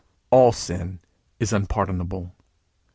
All sin is unpardonable.